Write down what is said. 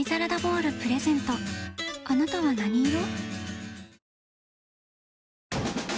あなたは何色？